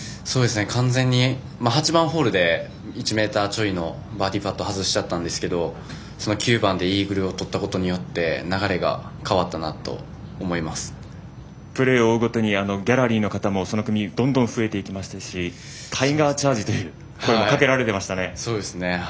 完全に、８番ホールで１ｍちょいのバーディーパットを外しちゃったんですけど９番でイーグルをとったことによってプレーを追うごとにギャラリーの方もその組どんどん増えていきましたしタイガーチャージという声もかけられていましたね。